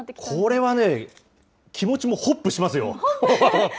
これはね、気持ちもホップしますよ。